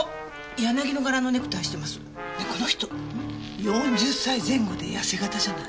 この人４０歳前後で痩せ形じゃない？